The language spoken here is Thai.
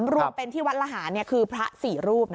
รวมเป็นที่วัดละหารคือพระ๔รูปนะ